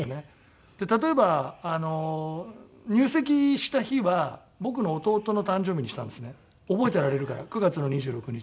例えば入籍した日は僕の弟の誕生日にしたんですね覚えていられるから９月の２６日。